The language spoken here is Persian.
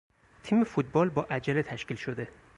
تیم فوتبال با عجله تشکیل شده